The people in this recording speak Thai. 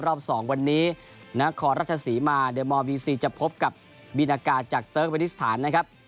รอบ๒วันนี้นาคอรัชศรีมาเดี๋ยวมพศจะพบกับบินากาศจากเติร์กบริษฐานนะครับ